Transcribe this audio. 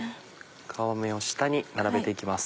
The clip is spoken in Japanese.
皮目を下に並べて行きます。